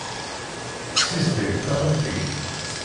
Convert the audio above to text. Sizdeg taxxamt-ik.